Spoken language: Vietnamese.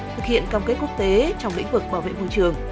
thực hiện cam kết quốc tế trong lĩnh vực bảo vệ môi trường